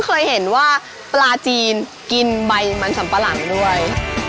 เคยเห็นว่าปลาจีนกินใบมันสัมปะหลังด้วย